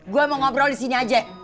gua mau ngobrol disini aja